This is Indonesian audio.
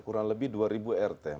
seratus juta per rt